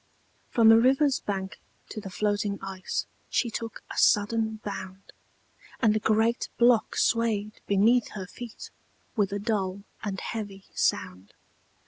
From the river's bank to the floating ice She took a sudden bound, And the great block swayed beneath her feet With a dull and heavy sound.